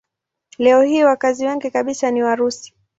Leo hii wakazi wengi kabisa ni Warusi.